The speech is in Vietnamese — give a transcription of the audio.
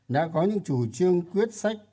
đã có những chủ trương quyết sách